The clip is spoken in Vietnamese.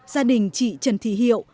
gia đình chị trần thị hiệu